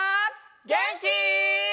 げんき？